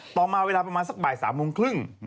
ต่อมาเวลาประมาณสักบ่าย๓โมงครึ่ง